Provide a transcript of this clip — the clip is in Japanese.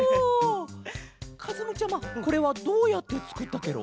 かずむちゃまこれはどうやってつくったケロ？